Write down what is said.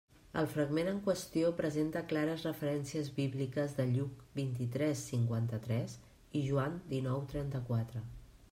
El fragment en qüestió presenta clares referències bíbliques de Lluc vint-i-tres, cinquanta-tres i Joan dinou, trenta-quatre.